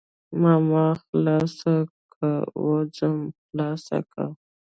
ماما خلاصه که وځم خلاصه که.